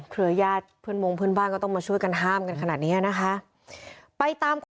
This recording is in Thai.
เครือญาติเพื่อนมงเพื่อนบ้านก็ต้องมาช่วยกันห้ามกันขนาดนี้นะคะไปตามความ